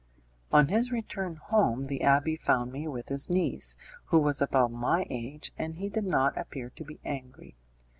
On his return home the abbé found me with his niece, who was about my age, and he did not appear to be angry.